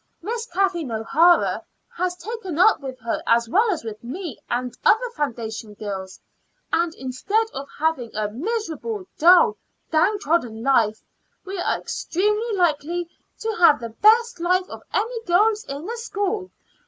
Miss Kathleen O'Hara has taken up with her as well as with me and other foundation girls, and instead of having a miserable, dull, down trodden life, we are extremely likely to have the best life of any girls in the school.